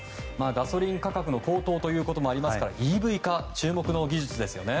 ガソリン価格の高騰ということもありますからＥＶ化、注目の技術ですね。